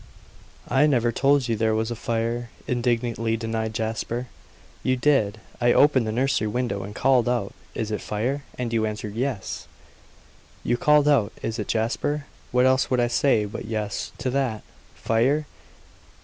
"I never told you there was a fire!" indignantly denied Jasper. "You did. I opened the nursery window and called out 'Is it fire?' and you answered 'Yes.'" "You called out 'Is it Jasper?' What else should I say but 'Yes,' to that? Fire?